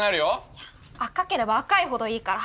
いや赤ければ赤いほどいいから。